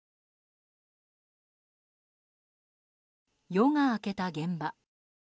夜が明けた現場。